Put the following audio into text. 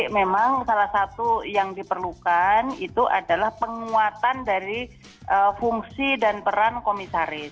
jadi memang salah satu yang diperlukan itu adalah penguatan dari fungsi dan peran komisaris